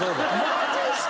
マジっすか！？